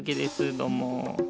どうも。